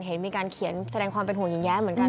เห็นมีการเขียนแสดงความเป็นห่วงหญิงแย้เหมือนกัน